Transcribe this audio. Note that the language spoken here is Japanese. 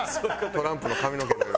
トランプの髪の毛の色や。